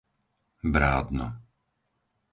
Brádno